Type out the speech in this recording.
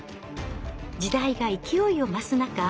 時代が勢いを増す中